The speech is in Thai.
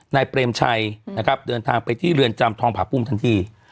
เปรมชัยนะครับเดินทางไปที่เรือนจำทองผาภูมิทันที